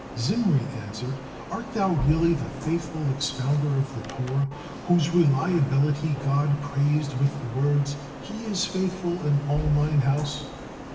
Zimri answered: "Art thou really the faithful expounder of the Torah, whose reliability God praised with the words, 'He is faithful in all Mine house?'